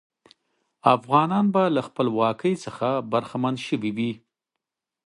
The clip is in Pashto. افغانان به له خپلواکۍ څخه برخمن سوي وي.